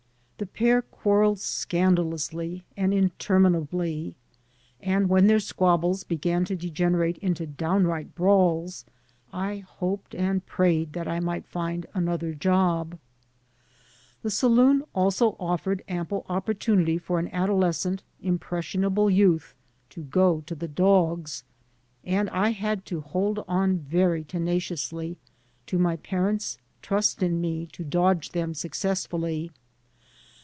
The pair quarreled scandal ise THE ETHICS OF THE BAR ously and intenoinably; and when their, ^squabbles began to degenerate into downright brawls, I hoped and prayed that I might* find another job. The saloon also offered ample opportunity for an adolescent, inopressionable youth to go to the dogs, and I had to hold on very tenaciously to my parents' trust in me to dodge ^ them successfully.